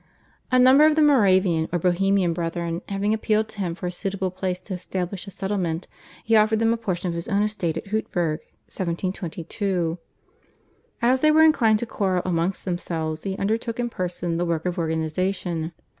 A number of the Moravian or Bohemian Brethren having appealed to him for a suitable place to establish a settlement, he offered them portion of his estate at Hutberg (1722). As they were inclined to quarrel amongst themselves he undertook in person the work of organisation.